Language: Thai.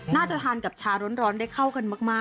น่าจะทานกับชาร้อนได้เข้ากันมาก